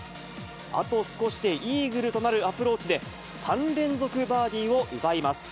あと少しでイーグルとなるアプローチで、３連続バーディーを奪います。